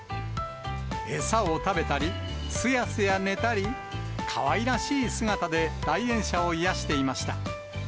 餌を食べたり、すやすや寝たり、かわいらしい姿で、来園者を癒やしていました。